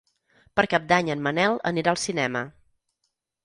Per Cap d'Any en Manel anirà al cinema.